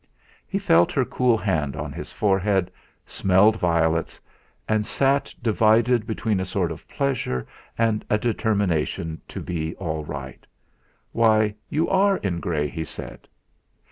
He felt her cool hand on his forehead, smelled violets, and sat divided between a sort of pleasure and a determination to be all right. "Why! You are in grey!" he said.